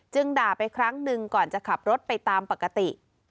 ด่าไปครั้งหนึ่งก่อนจะขับรถไปตามปกติ